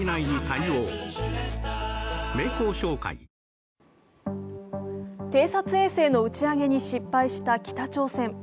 ニトリ偵察衛星の打ち上げに失敗した北朝鮮。